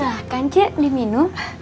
silahkan cik di minum